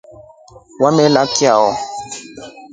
Umelya chao?